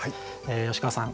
吉川さん